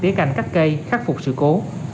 để cành các cây khắc phục sự cố